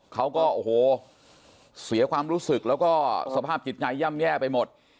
เขาก็โอ้โหเสียความรู้สึกแล้วก็สภาพจิตใจย่ำแย่ไปหมด